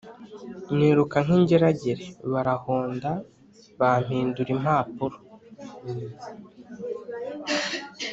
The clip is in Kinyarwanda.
Niruka nk’ingeragere Barahonda Bampindura impapuro